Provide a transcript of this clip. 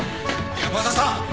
山田さん！